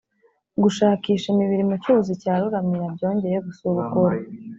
gushakisha imibiri mu cyuzi cya ruramira byongeye gusubukurwa